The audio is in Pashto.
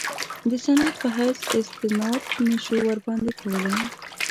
د سند په حیث استناد نه شو ورباندې کولای.